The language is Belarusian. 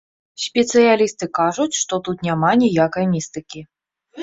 Спецыялісты кажуць, што тут няма ніякай містыкі.